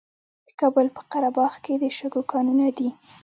د کابل په قره باغ کې د شګو کانونه دي.